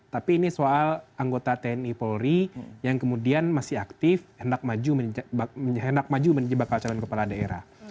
tapi ini soal anggota tni polri yang kemudian masih aktif hendak maju menjadi bakal calon kepala daerah